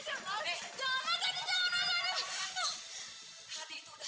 jangan aku menghidapkanmu jangan